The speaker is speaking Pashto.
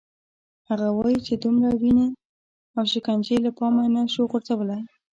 هغه وايي چې دومره وینې او شکنجې له پامه نه شو غورځولای.